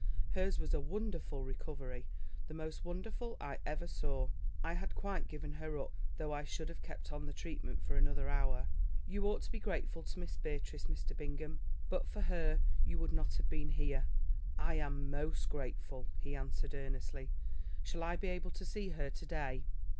Hers was a wonderful recovery, the most wonderful I ever saw. I had quite given her up, though I should have kept on the treatment for another hour. You ought to be grateful to Miss Beatrice, Mr. Bingham. But for her you would not have been here." "I am most grateful," he answered earnestly. "Shall I be able to see her to day?"